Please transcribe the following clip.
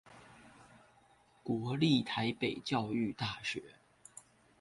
國立臺北教育大學